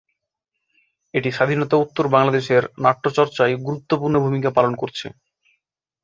এটি স্বাধীনতা-উত্তর বাংলাদেশের নাট্যচর্চায় গুরুত্বপূর্ণ ভূমিকা পালন করছে।